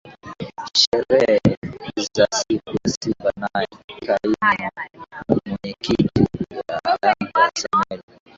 sherehe za siku ya Simba Naye kaimu mwenyekiti wa Yanga Samwel